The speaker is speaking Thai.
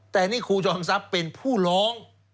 แต่นี่ครูจอมทรัพย์เป็นผู้ร้อง